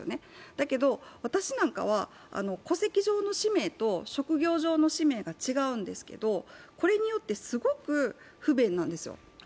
だけど私なんかは戸籍上の氏名と職業上の氏名が違うんですけどこれによってすごく不便なんですよ。